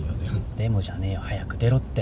「でも」じゃねえよ早く出ろって。